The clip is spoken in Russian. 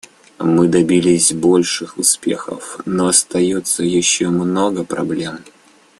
Мы добились больших успехов, но остается еще много проблем.